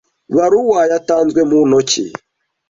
baruwa yatanzwe mu ntoki